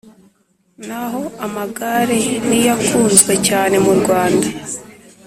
Naho amagare niyo akunzwe cyane murwanda